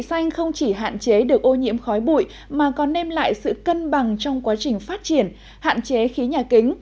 công trình đã được phát triển